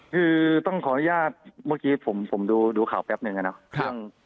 คือต้องขออนุญาตเมื่อกี้ผมดูข่าวแป๊บหนึ่งอะเนาะ